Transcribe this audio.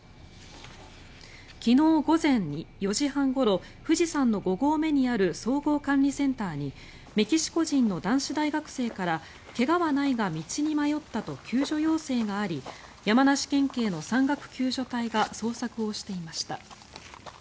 昨日午前４時半ごろ富士山の５合目にある総合管理センターにメキシコ人の男子大学生から怪我はないが道に迷ったと救助要請があり山梨県警の山岳救助隊が捜索をしていました。